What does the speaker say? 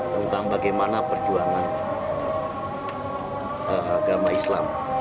tentang bagaimana perjuangan agama islam